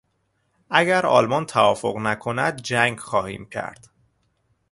اگر آلمان توافق نکند، جنگ خواهیم کرد.